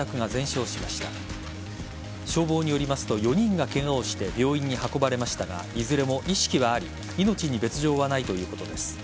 消防によりますと４人がケガをして病院に運ばれましたがいずれも意識はあり命に別条はないということです。